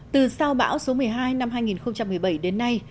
từ sau bão số một mươi hai năm hai nghìn một mươi bảy đến nay